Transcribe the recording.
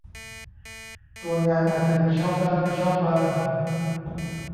ตัวงานอาจจะมีชอบบ้างไม่ชอบบ้าง